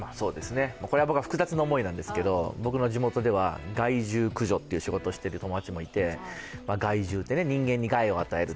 これは僕は複雑な思いなんですけど、僕の地元では害獣駆除という仕事をしている友達もいて、害獣って人間に害を与える。